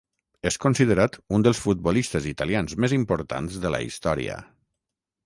És considerat un dels futbolistes italians més importants de la història.